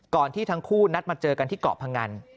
ที่ทั้งคู่นัดมาเจอกันที่เกาะพงัน